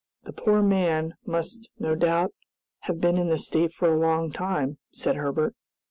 "The poor man must no doubt have been in this state for a long time," said Herbert.